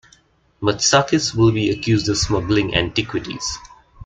Matsakis will be accused of smuggling antiquities.